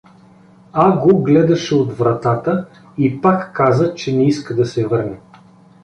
Аго гледаше от вратата и пак каза, че не иска да се върне.